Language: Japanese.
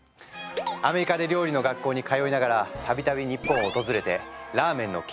アメリカで料理の学校に通いながら度々日本を訪れてラーメンの研究を重ね